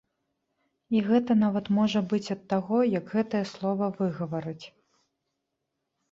І гэта нават можа быць ад таго, як гэтае слова выгаварыць.